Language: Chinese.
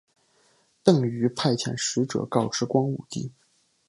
邓禹派遣使者告知光武帝。